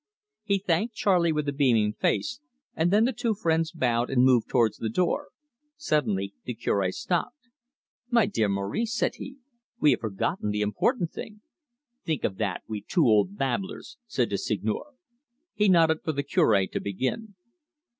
He thanked Charley with a beaming face, and then the two friends bowed and moved towards the door. Suddenly the Cure stopped. "My dear Maurice," said he, "we have forgotten the important thing." "Think of that we two old babblers!" said the Seigneur. He nodded for the Cure to begin.